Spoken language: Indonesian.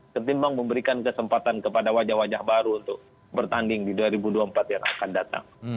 ketimbang memberikan kesempatan kepada wajah wajah baru untuk bertanding di dua ribu dua puluh empat yang akan datang